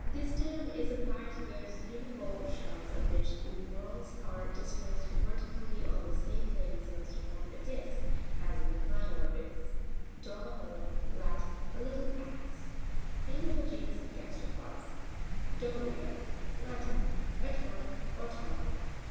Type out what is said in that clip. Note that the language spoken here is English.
This term is applied to those uni valve shells of which the whorls are disposed vertically on the same plane so as to form a disc; as in the Planorbis (page 44). Doua'BELLA.— Latin. A little axe. Name of a genus of gasteropods (page 64). Do'tium.— Latin. A tun or tub.